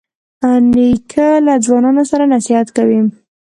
نیکه له ځوانانو سره نصیحت کوي.